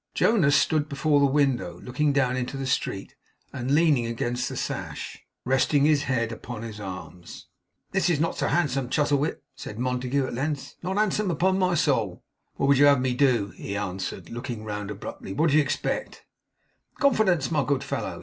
Jonas stood before the window, looking down into the street; and leaned against the sash, resting his head upon his arms. 'This is not handsome, Chuzzlewit!' said Montague at length. 'Not handsome upon my soul!' 'What would you have me do?' he answered, looking round abruptly; 'What do you expect?' 'Confidence, my good fellow.